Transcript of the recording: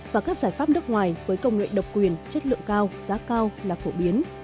và các giải pháp nước ngoài với công nghệ độc quyền chất lượng cao giá cao là phổ biến